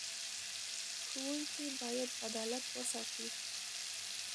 ښوونکي باید عدالت وساتي.